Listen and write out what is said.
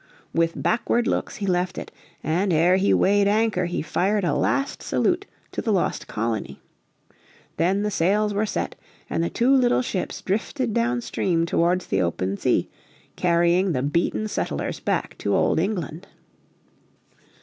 With backward looks he left it, and ere he weighed anchor he fired a last salute to the lost colony. Then the sails were set, and the two little ships drifted down stream towards the open sea, carrying the beaten settlers back to old England.